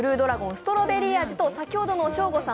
ストロベリー味と先ほどのショーゴさん